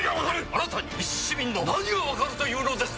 あなたにいち市民の何がわかるというのですか！？